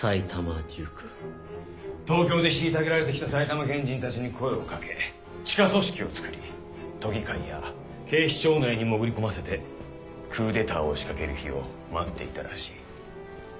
東京で虐げられてきた埼玉県人たちに声を掛け地下組織をつくり都議会や警視庁内に潜り込ませてクーデターを仕掛ける日を待っていたらしい。